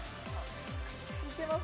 いけます！